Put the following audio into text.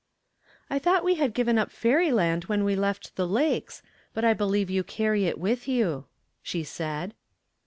"I thought we had given up fairyland when we left the lakes, but I believe you carry it with you," she said.